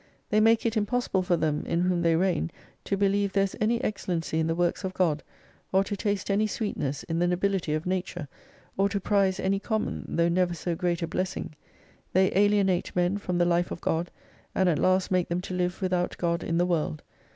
They make it impossible for them, in whom they reign, to believe there is any excellency in the Works of God, or to taste any sweetness in the nobility of Nature, or to prize any common, though never so great a blessing. They alienate men from the Life of God, and at last make them to live without God in the World.